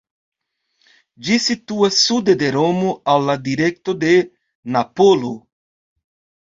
Ĝi situas sude de Romo, al la direkto de Napolo.